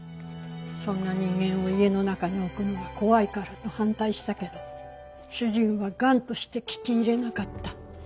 そんな人間を家の中に置くのは怖いからと反対したけど主人は頑として聞き入れなかった。